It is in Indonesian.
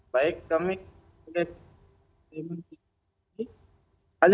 baik kami sudah mengirimkan tulisan ini